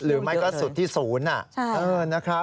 หรือไม่ก็สุดที่๐อ่ะ